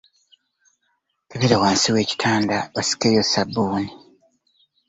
Kebera wansi we kitanda osikeyo ssabuuni.